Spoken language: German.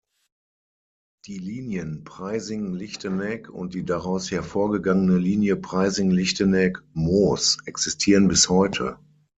Die Linien Preysing-Lichtenegg und die daraus hervorgegangene Linie Preysing-Lichtenegg-Moos existieren bis heute.